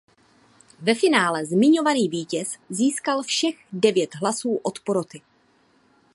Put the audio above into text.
Ve finále zmiňovaný vítěz získal všech devět hlasů od poroty.